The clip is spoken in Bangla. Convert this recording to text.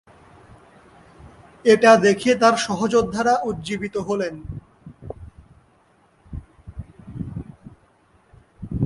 এটা দেখে তার সহযোদ্ধারা উজ্জীবিত হলেন।